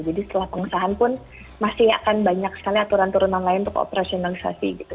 jadi setelah pengesahan pun masih akan banyak sekali aturan turunan lain untuk operasionalisasi gitu